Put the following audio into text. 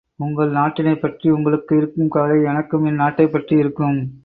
உங்கள் நாட்டினைப் பற்றி உங்களுக்கு இருக்கும் கவலை, எனக்கும் என் நாட்டைப் பற்றி இருக்கும்.